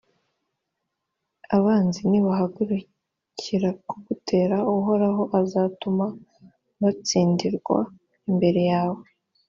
abanzi nibahagurukira kugutera, uhoraho azatuma batsindirwa imbere yawe